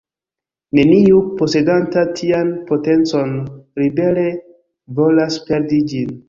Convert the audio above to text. Neniu, posedanta tian potencon, libere volas perdi ĝin.